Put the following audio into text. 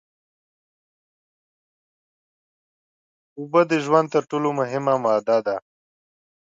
اوبه د ژوند تر ټول مهمه ماده ده